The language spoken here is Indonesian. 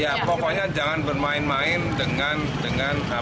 ya pokoknya jangan bermain main dengan dengan apa dengan